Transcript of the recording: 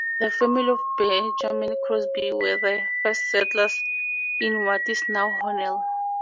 The family of Benjamin Crosby were the first settlers in what is now Hornell.